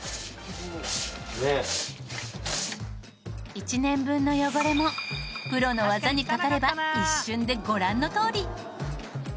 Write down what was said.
１年分の汚れもプロの技にかかれば一瞬でご覧のとおり！